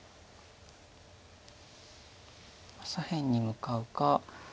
左辺に向かうか